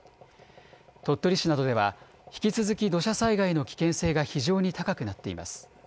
鳥取市などでは引き続き土砂災害の危険性が非常に高くなっています。